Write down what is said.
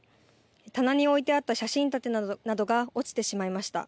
棚に置いてあった写真立てなどが落ちてしまいました。